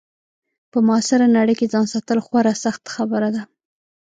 په معاصره نړۍ کې ځان ساتل خورا سخته خبره ده.